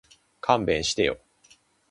勘弁してよ